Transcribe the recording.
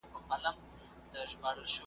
زه ستا سیوری لټومه `